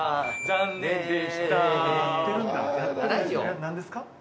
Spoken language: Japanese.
・何ですか？